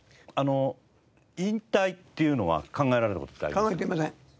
引退っていうのは考えられた事ってあります？